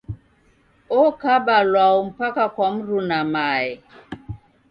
Okaba lwau mpaka kwa mruna mae.